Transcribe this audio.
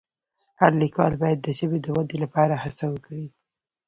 هر لیکوال باید د ژبې د ودې لپاره هڅه وکړي.